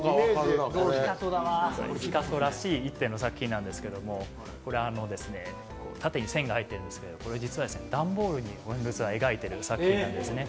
ピカソらしい作品の１点なんですけれども、これ縦に線が入っているんですけど段ボールに描いている作品なんですね。